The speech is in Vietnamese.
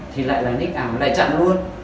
thì lại là nick ảo lại chặn luôn